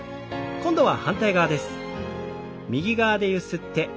今度は反対側です。